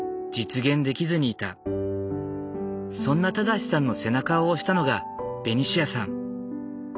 そんな正さんの背中を押したのがベニシアさん。